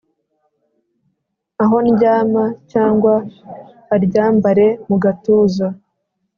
aho ndyama cyangwa aryambare mugatuza